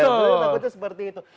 takutnya seperti itu